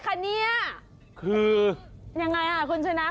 ขอบคุณครับ